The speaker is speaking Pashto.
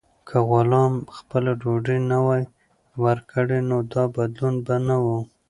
که غلام خپله ډوډۍ نه وای ورکړې، نو دا بدلون به نه و.